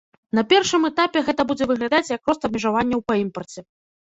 На першым этапе гэта будзе выглядаць як рост абмежаванняў па імпарце.